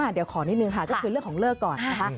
เดี๋ยวขอนิดนึงค่ะก็คือเรื่องของเลิกก่อนนะคะ